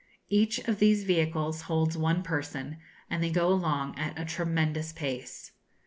Each of these vehicles holds one person, and they go along at a tremendous pace.